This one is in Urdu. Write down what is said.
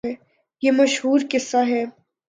یہ مشہورقصہ ہے۔